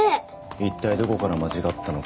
「いったいどこから間違ったのか」